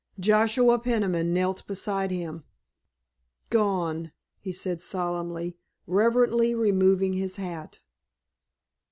Joshua Peniman knelt beside him. "Gone!" he said solemnly, reverently removing his hat.